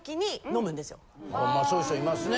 そういう人いますね。